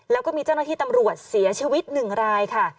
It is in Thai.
แล้วก็มีเจ้าหน้าที่ตำรวจเสียชีวิต๑รายค่ะ